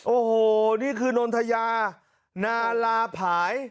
โอ้โหนี่คือนนทยานาลาผาย